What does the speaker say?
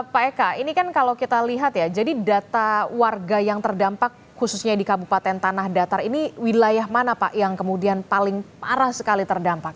pak eka ini kan kalau kita lihat ya jadi data warga yang terdampak khususnya di kabupaten tanah datar ini wilayah mana pak yang kemudian paling parah sekali terdampak